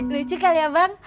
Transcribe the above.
lucu kali ya bang